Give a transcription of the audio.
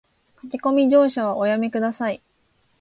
駆け込み乗車はおやめ下さい